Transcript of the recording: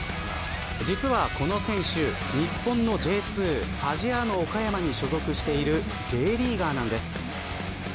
実は、この選手日本のＪ２ファジアーノ岡山に所属しているＪリーガーなんです。